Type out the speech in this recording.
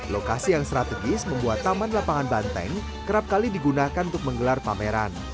lokasi yang strategis membuat taman lapangan banteng kerap kali digunakan untuk menggelar pameran